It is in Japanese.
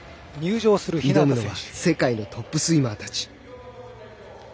挑むのは世界のトップスイマーたちです。